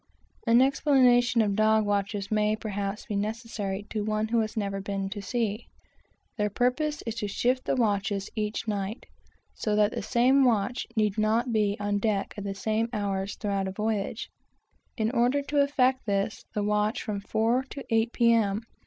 An explanation of the "dog watches" may, perhaps, be of use to one who has never been at sea. They are to shift the watches each night, so that the same watch need not be on deck at the same hours. In order to effect this, the watch from four to eight, P.M.